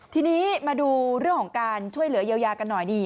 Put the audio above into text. ทีนี้มาดูเรื่องของการช่วยเหลือเยียวยากันหน่อยดี